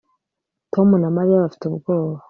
Tom na Mariya bafite ubwoba